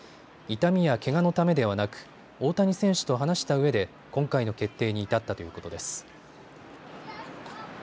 痛みやけがのためではなく大谷選手と話したうえで今回の決定に至ったということです。